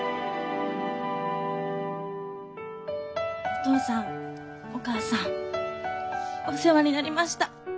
お父さんお母さんお世話になりました。